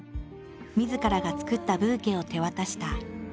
みずからが作ったブーケを手渡した。